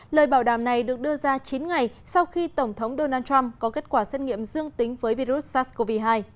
lời bảo đảm này được đưa ra chín ngày sau khi tổng thống donald trump có kết quả xét nghiệm dương tính với virus sars cov hai